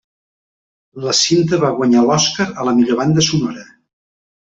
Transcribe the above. La cinta va guanyar l'Oscar a la millor banda sonora.